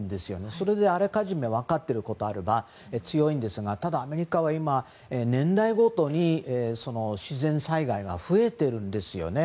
それであらかじめ分かってることがあれば強いんですがただ、アメリカは年ごとに自然災害が増えてるんですね。